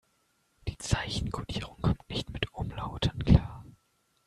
Die Zeichenkodierung kommt nicht mit Umlauten klar.